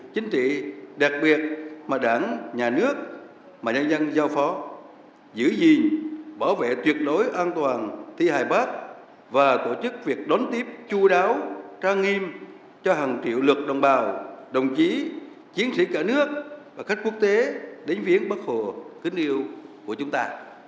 chính trị đặc biệt mà đảng nhà nước mạng nhân dân giao phó giữ gìn bảo vệ tuyệt đối an toàn thi hài bác và tổ chức việc đón tiếp chú đáo tra nghiêm cho hàng triệu lực đồng bào đồng chí chiến sĩ cả nước và khách quốc tế đến viếng bác hồ kính yêu của chúng ta